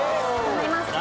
頑張ります。